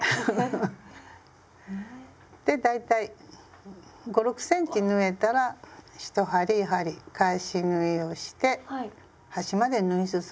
で大体５６ｃｍ縫えたら１針やはり返し縫いをして端まで縫い進んでください。